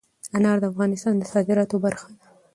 انار د افغانستان د صادراتو برخه ده.